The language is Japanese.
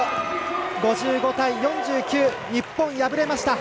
５５対４９、日本破れました。